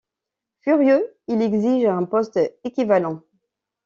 Furieux, il exige un poste équivalent.